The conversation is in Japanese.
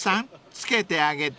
つけてあげて］